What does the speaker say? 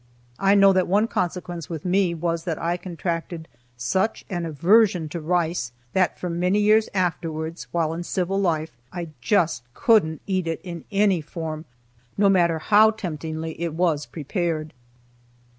I know that one consequence with me was I contracted such an aversion to rice that for many years afterwards, while in civil life, I just couldn't eat it in any form, no matter how temptingly it was prepared.